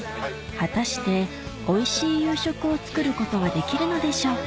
果たしておいしい夕食を作ることはできるのでしょうか？